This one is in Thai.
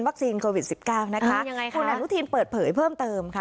วัคซีนโควิดสิบเก้านะคะมันยังไงคะโครงแรมลูทีนเปิดเผยเพิ่มเติมค่ะ